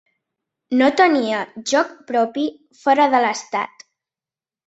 No tenia joc propi fora de l'estat.